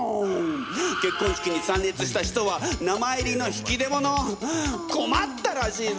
結婚式に参列した人は名前入りの引き出物困ったらしいぜ！